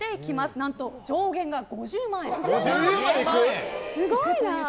何と上限が５０万円。